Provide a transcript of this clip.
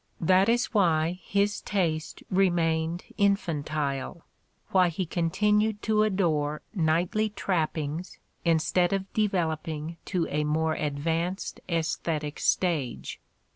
That is why his taste remained infantile, why he continued to adore "knightly trappings" instead of developing to a more advanced aesthetic stage.